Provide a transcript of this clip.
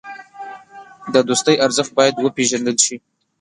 د دوستۍ ارزښت باید وپېژندل شي.